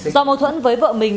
do mâu thuẫn với vợ mình